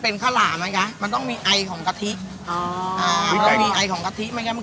พิมพ์ล้วนไม่ได้นะ